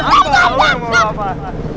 aku tau lo mau apaan